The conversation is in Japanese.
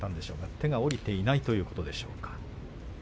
手を下りていないということでしょうか。